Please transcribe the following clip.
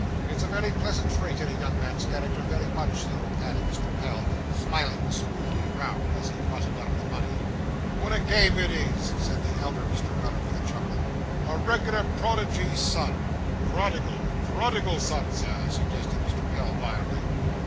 It's a very pleasant trait in a young man's character, very much so,' added Mr. Pell, smiling smoothly round, as he buttoned up the money. 'Wot a game it is!' said the elder Mr. Weller, with a chuckle. 'A reg'lar prodigy son!' 'Prodigal prodigal son, Sir,' suggested Mr. Pell, mildly.